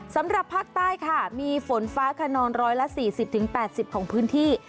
สำหรับภาคใต้ค่ะมีฝนฟ้าคนองร้อยละสี่สิบถึงแปดสิบของพื้นที่